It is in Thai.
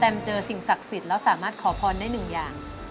เจอสิ่งศักดิ์สิทธิ์แล้วสามารถขอพรได้หนึ่งอย่าง